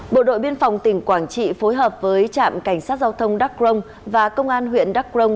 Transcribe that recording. bộ đội biên phòng tỉnh quảng trị phối hợp với trạm cảnh sát giao thông đắk rông và công an huyện đắk rông